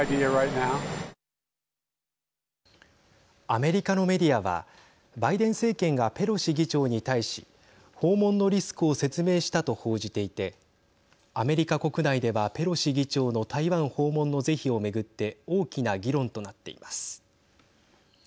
アメリカのメディアはバイデン政権がペロシ議長に対し訪問のリスクを説明したと報じていてアメリカ国内ではペロシ議長の台湾訪問の是非を巡って大きな議論となっています。